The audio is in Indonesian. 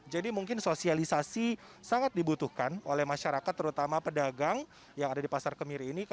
jadi mungkin sosialisasi sangat dibutuhkan oleh masyarakat terutama pedagang yang ada di pasar kemiri ini